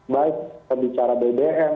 baik pebicara bbm